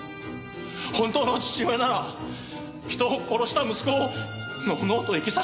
本当の父親なら人を殺した息子をのうのうと生きさせたりはしませんよね。